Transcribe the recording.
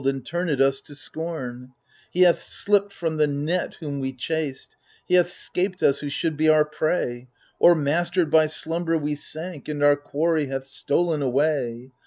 And turned us to scorn ! He hath slipped from the net, whom we chased : he hath 'scaped us who should be our prey — O'ermastered by slumber we sank, and our quarry hath stolen away